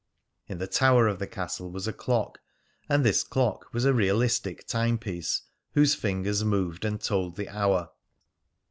In the tower of the castle was a clock, and this clock was a realistic timepiece whose fingers moved and told the hour.